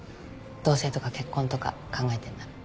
同棲とか結婚とか考えてんなら。